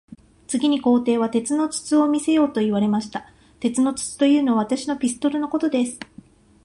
次に皇帝は、鉄の筒を見せよと言われました。鉄の筒というのは、私のピストルのことです。